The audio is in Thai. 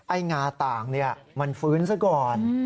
งาต่างมันฟื้นซะก่อน